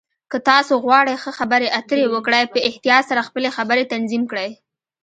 که تاسو غواړئ ښه خبرې اترې وکړئ، په احتیاط سره خپلې خبرې تنظیم کړئ.